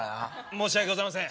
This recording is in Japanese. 申し訳ございません。